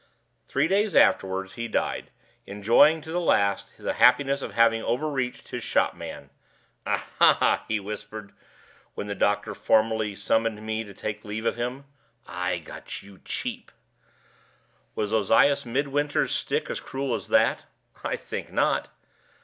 Three days afterward he died, enjoying to the last the happiness of having overreached his shop man. 'Aha!' he whispered, when the doctor formally summoned me to take leave of him, 'I got you cheap!' Was Ozias Midwinter's stick as cruel as that? I think not.